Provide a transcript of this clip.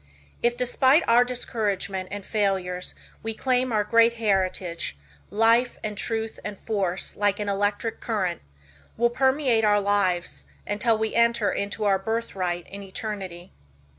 If despite our discouragement and failures, we claim our great heritage, "life and truth and force, like an electric current," will permeate our lives until we enter into our "birthright in eternity."